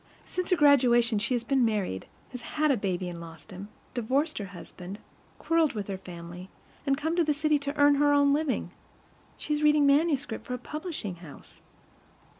Since her graduation she has been married, has had a baby and lost him, divorced her husband, quarreled with her family, and come to the city to earn her own living. She is reading manuscript for a publishing house.